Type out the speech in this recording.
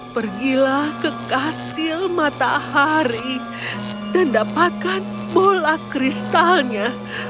pergilah ke kastil matahari dan dapatkan bola kristalnya